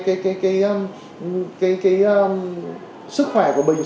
cái sức khỏe của mình